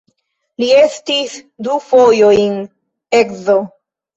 Li estis du fojojn edzo.